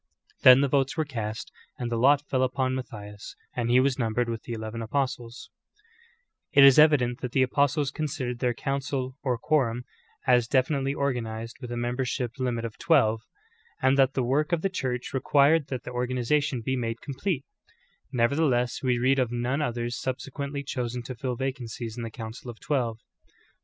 Then the votes were cast "and the lot fell upon Matthias; and he was numbered with the eleven apostles." 18. It is evident that the apostles considered their council or quorum as definitely organized with a membership limit "John 21: 15 17. ^ Acts 1: 21, 22: read verses 15 26 inclusive. 8 THE GREAT APOSTASY. of twelve; and that the work of the Church required that the organization be made complete. Nevertheless, w^e read of none others subsequently chosen to fill vacancies in the council of twelve.